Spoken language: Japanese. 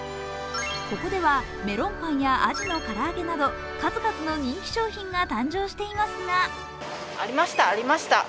ここではメロンパンやあじの唐揚げなど数々の人気商品が誕生していますがありました、ありました。